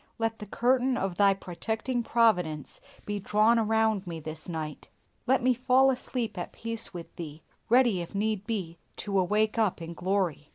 Let the curtain of Thy protecting providence be drawn around me this night. Let me fall asleep at peace with Thee, ready, if need be, to awake up in glory.